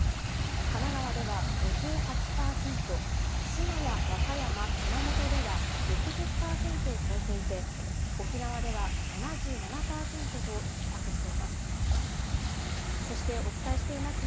神奈川では５８％、滋賀や和歌山、熊本では６０％を超えていて、沖縄では７７％とひっ迫しています。